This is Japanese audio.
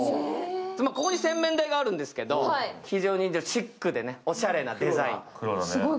ここに洗面台があるんですけど非常にシックでおしゃれなデザイン。